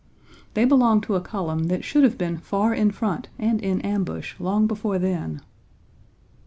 They belonged to a column that should have been far in front and in ambush long before then.